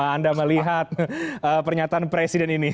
anda melihat pernyataan presiden ini